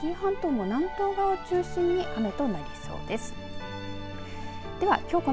紀伊半島も南東側を中心に雨となりそうです。